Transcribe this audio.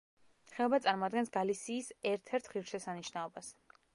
ხეობა წარმოადგენს გალისიის ერთ ერთ ღირსშესანიშნაობას.